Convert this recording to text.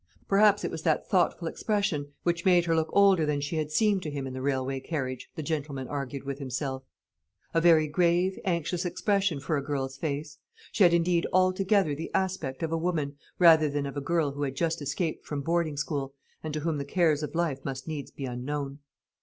Perhaps it was that thoughtful expression which made her look older than she had seemed to him in the railway carriage, the gentleman argued with himself; a very grave anxious expression for a girl's face. She had indeed altogether the aspect of a woman, rather than of a girl who had just escaped from boarding school, and to whom the cares of life must needs be unknown.